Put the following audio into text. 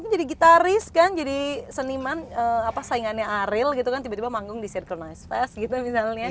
jadi gitaris kan jadi seniman saingannya ariel gitu kan tiba tiba manggung di circle nice fest gitu misalnya